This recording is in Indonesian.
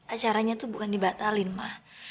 acaranya tuh bukan dibatalin mah